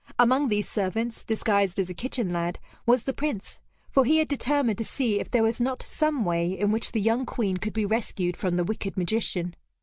Among these servants, disguised as a kitchen lad, was the Prince; for he had determined to see if there was not some way in which the young Queen could be rescued from the wicked magician.